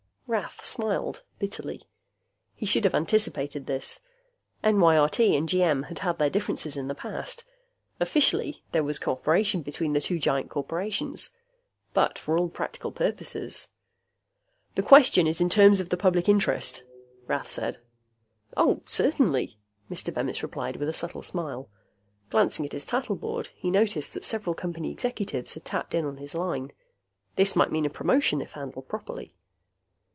Rath smiled bitterly. He should have anticipated this. NYRT and GM had had their differences in the past. Officially, there was cooperation between the two giant corporations. But for all practical purposes "The question is in terms of the Public Interest," Rath said. "Oh, certainly," Mr. Bemis replied, with a subtle smile. Glancing at his tattle board, he noticed that several company executives had tapped in on his line. This might mean a promotion, if handled properly.